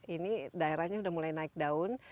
ini daerahnya udah mulai naik daun